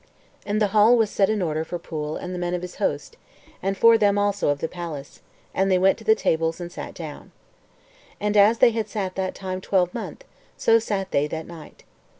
And the hall was set in order for Pwyll and the men of his host, and for them also of the palace, and they went to the tables and sat down. And as they had sat that time twelvemonth, so sat they that night.